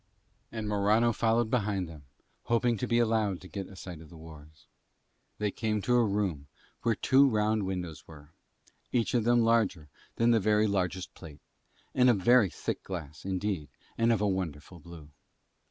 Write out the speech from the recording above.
And Morano followed behind them, hoping to be allowed to get a sight of the wars. They came to a room where two round windows were; each of them larger than the very largest plate, and of very thick glass indeed, and of a wonderful blue.